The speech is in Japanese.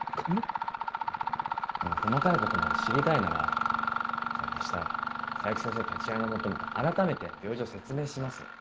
細かいことまで知りたいなら明日冴木先生立ち会いの下また改めて病状説明します。